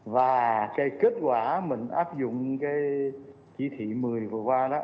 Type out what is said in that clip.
và cái kết quả mình áp dụng cái chỉ thị một mươi vừa qua đó